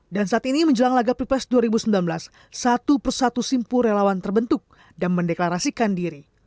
dan saat ini menjelang lagapripes dua ribu sembilan belas satu persatu simpul relawan terbentuk dan mendeklarasikan diri